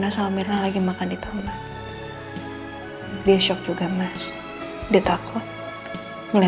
sampai jumpa di video selanjutnya